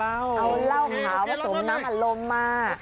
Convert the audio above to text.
เอาเหล้าขาวผสมน้ำอารมณ์มา